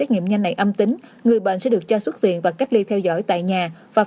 giao thuốc cho khách ạ